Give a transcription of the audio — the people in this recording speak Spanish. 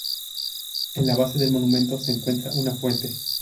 En la base del monumento se encuentra una fuente.